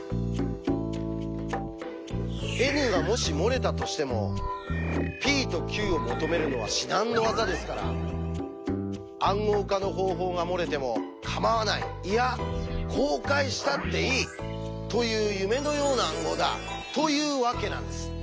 Ｎがもし漏れたとしてもｐとｑを求めるのは至難の業ですから「暗号化の方法」が漏れてもかまわないいや公開したっていい！という夢のような暗号だというわけなんです。